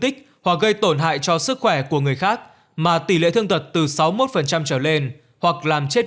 tích hoặc gây tổn hại cho sức khỏe của người khác mà tỷ lệ thương tật từ sáu mươi một trở lên hoặc làm chết